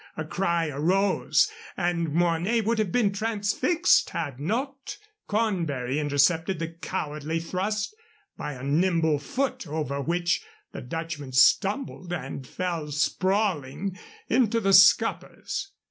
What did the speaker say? A cry arose, and Mornay would have been transfixed had not Cornbury intercepted the cowardly thrust by a nimble foot, over which the Dutchman stumbled and fell sprawling into the scuppers.